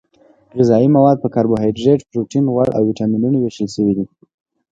غذايي مواد په کاربوهایدریت پروټین غوړ او ویټامینونو ویشل شوي دي